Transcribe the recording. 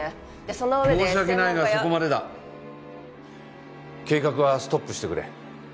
その上で申し訳ないがそこまでだ計画はストップしてくれ